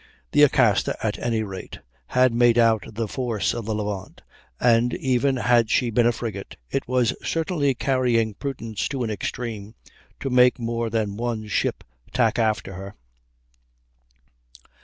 The Acasta, at any rate, had made out the force of the Levant, and, even had she been a frigate, it was certainly carrying prudence to an extreme to make more than one ship tack after her.